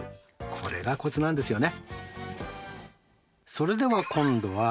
これがコツなんですよね。